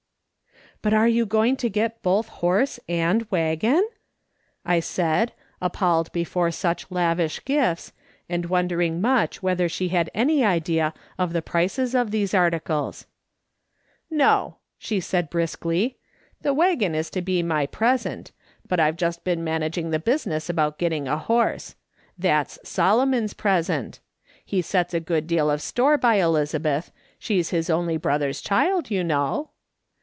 " But are you going to get both horse and waggon V I said, appalled before such lavish gifts, and wonder ing much whether she had any idea of the prices of these articles. " No," she answered briskly. " The waggon is to be my present, but I've just been managing the business of getting a horse. That's Solomon's present. He sets a good deal of store by Elizabeth ; she's his only brother's child, you know.